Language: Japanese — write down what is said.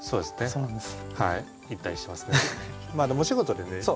そうなんです。